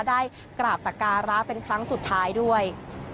ได้กราบสการะเป็นครั้งสุดท้ายด้วย